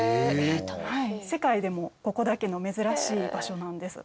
世界でもここだけの珍しい場所なんです。